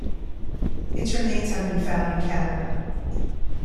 Its remains have been found in Canada.